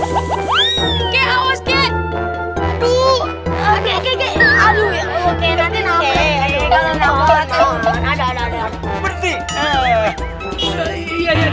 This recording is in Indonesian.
pak berhenti berhenti